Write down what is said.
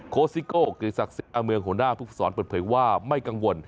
โคสิโกคือศักดิ์สินอเมืองหัวหน้าพุทธศรเปิดเผยว่าไม่กังวล